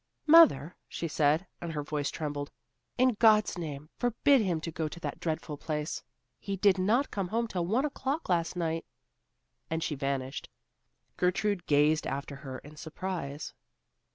"Mother," she said, and her voice trembled, "in God's name, forbid him to go to that dreadful place. He did not come home till one o'clock last night." And she vanished. Gertrude gazed after her in surprise.